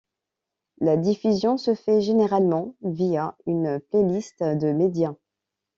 La diffusion se fait généralement via une playlist de médias.